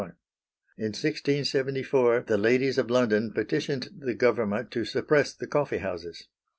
In 1674 the ladies of London petitioned the government to suppress the coffee houses.